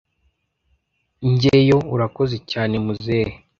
njyeyoooh! urakoze cyane muzehe